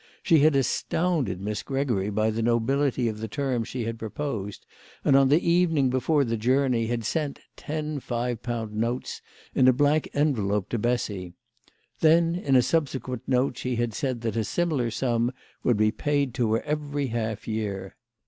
She had astounded Miss Gregory by the nobility of the terms she had proposed, and on the evening before the journey had sent ten five pound notes in a blank envelope to Bessy. Then in a subsequent note she had said that a similar sum would be paid to her every half year.